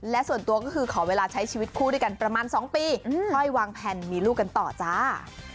และส่วนตัวก็คือขอเวลาใช้ชีวิตคู่ด้วยกันประมาณ๒ปีค่อยวางแผนมีลูกกันต่อจ้า